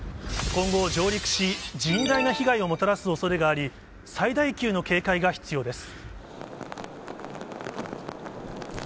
今後、上陸し、甚大な被害をもたらすおそれがあり、最大級の警戒が必要です。